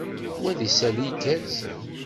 Wa d isali igerrzen.